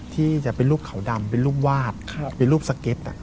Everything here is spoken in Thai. ที่จะเป็นรูปเขาดำเป็นรูปวาดเป็นรูปสเก็ต